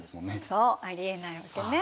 そうありえないわけね。